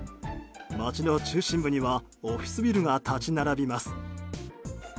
街の中心部にはオフィスビルが立ち並びます。